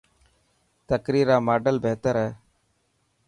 تقرير را ماڊل بهتر هئي.